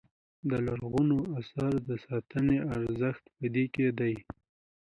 د لرغونو اثارو ساتنې ارزښت په دې کې دی.